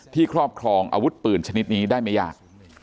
ครอบครองอาวุธปืนชนิดนี้ได้ไม่ยาก